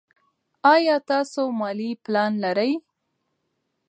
ایا تاسو مالي پلان لرئ.